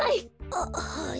あっはい。